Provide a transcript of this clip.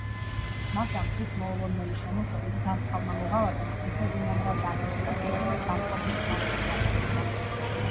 მაგრამ მტრის მოულოდნელი შემოსევით დამფრთხალმა მოღალატემ ციხე უომრად დათმო და თვითონაც დამპყრობლის მხარეზე გადავიდა.